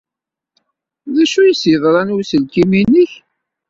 D acu ay as-yeḍran i uselkim-nnek?